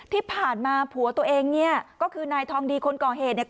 ที่ผ่านมาผัวตัวเองเนี่ยก็คือนายทองดีคนก่อเหตุเนี่ย